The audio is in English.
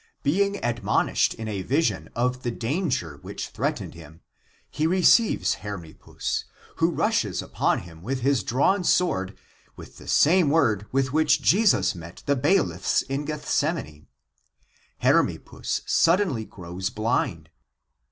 Being admonished in a vision of the danger which threatened him, he re ceives Hermippus who rushes upon him with his drawn sword with the same word with which Jesus met the bailiffs in Gethsemane. Hermippus suddenly grows blind.